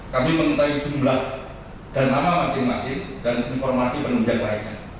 kami mengutai jumlah dan nama masing masing dan informasi penunjang lainnya